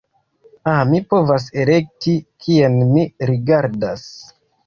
Ha mi povas elekti kien mi rigardas.